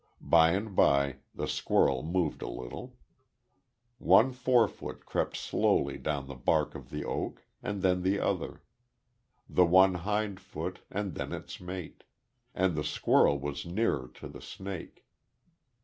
By and by the squirrel moved a little. One forefoot crept slowly down the bark of the oak and then the other the one hind foot and then its mate.... And the squirrel was nearer to the snake.